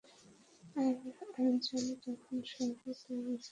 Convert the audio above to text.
আর আমি যেন তখন স্বর্গ পেয়ে গিয়েছিলাম।